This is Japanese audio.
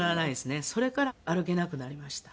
それから歩けなくなりました。